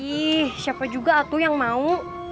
ih siapa juga aku yang mau